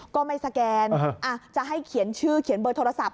ก็ไม่สแกนจะให้เขียนชื่อเขียนเบอร์โทรศัพท์